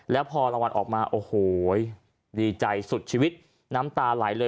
แล้วพอรางวัลออกมาโอ้โหดีใจสุดชีวิตน้ำตาไหลเลย